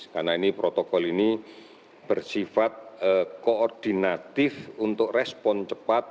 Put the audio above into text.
karena protokol ini bersifat koordinatif untuk respon cepat